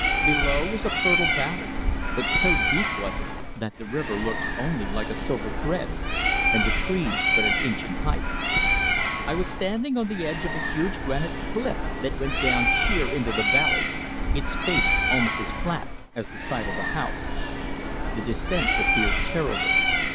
Below was a fertile valley, but so deep was it that the river looked only like a silver thread, and the trees but an inch in height. I was standing on the edge of a huge granite cliff that went down sheer into the valley, its face almost as flat as the side of a house. The descent appeared terrible.